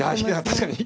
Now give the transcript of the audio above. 確かに。